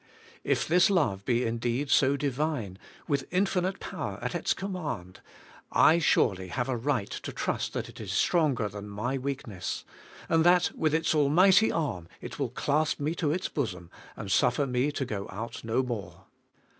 If this love be indeed so Divine, with infinite power at its command, I surely have a right to trust that it is stronger than my weakness; and that with its almighty arm it will clasp me to its bosom, and suffer me to go out no more.